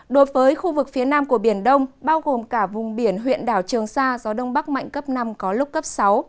đối với khu vực phía nam của biển đông bao gồm cả vùng biển huyện đảo trường sa gió đông bắc mạnh cấp năm có lúc cấp sáu